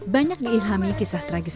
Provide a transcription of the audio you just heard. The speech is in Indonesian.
banyak diilhami kisah tragis